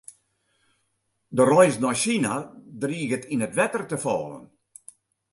De reis nei Sina driget yn it wetter te fallen.